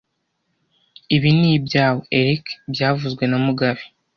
Ibi ni ibyawe, Eric byavuzwe na mugabe